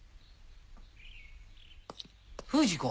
不二子